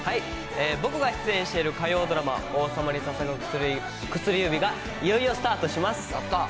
僕が出演している火曜ドラマ、王様に捧ぐ薬指がいよいよスタートします。